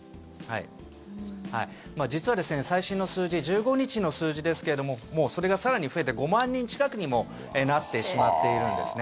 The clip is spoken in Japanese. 実は最新の数字１５日の数字ですけれどももうそれが更に増えて５万人近くにもなってしまっているんですね。